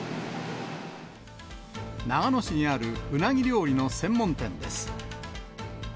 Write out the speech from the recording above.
長野市にあるうなぎ料理の専門店です。